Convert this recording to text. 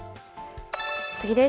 次です。